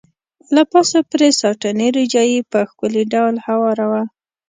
له پاسه پرې ساټني روجايي په ښکلي ډول هواره وه.